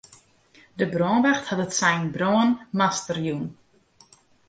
De brânwacht hat it sein brân master jûn.